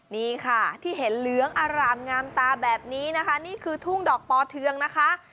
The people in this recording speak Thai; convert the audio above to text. นี่ค่ะที่เห็นเหลืองอร่ามงามตาแบบนี้นะคะนี่คือทุ่งดอกปอเทืองนะคะ